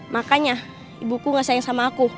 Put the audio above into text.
makanya ibuku gak sayang sama aku